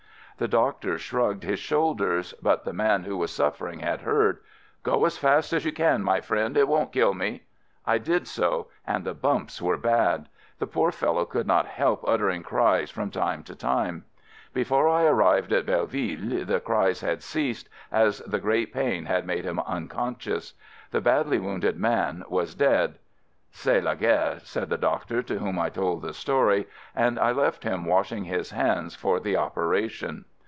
The doctor shrugged his shoulders — but the man who was suffering had heard — "Go as fast as you can, my friend, it won't kill me !" I did so — and the bumps were bad. The poor fellow could not help uttering cries from 124 AMERICAN AMBULANCE time to time. Before I arrived at Belle ville, the cries had ceased, as the great pain had made him unconscious. The badly wounded man was dead. "C'est la guerre," said the doctor to whom I told the story — and I left him washing his hands for the operation.